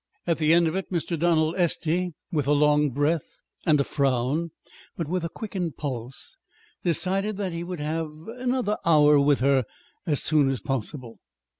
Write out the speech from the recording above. At the end of it, Mr. Donald Estey, with a long breath and a frown, but with a quickened pulse, decided that he would have another hour with her as soon as possible.